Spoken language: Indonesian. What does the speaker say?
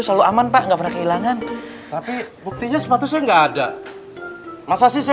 selalu aman pak nggak pernah kehilangan tapi buktinya sepatu saya enggak ada masa sih saya